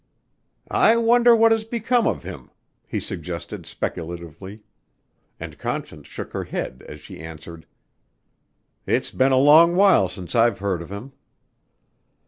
"I wonder what has become of him," he suggested speculatively, and Conscience shook her head as she answered, "It's been a long while since I've heard of him."